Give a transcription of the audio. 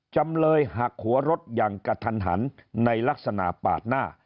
จำเลยหักหัวรถอย่างกระทันหันในลักษณะปาดหน้า